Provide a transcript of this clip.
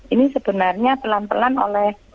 ini sebenarnya pelan pelan oleh